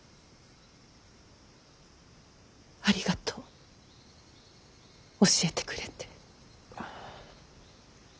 ありがとう教えてくれて。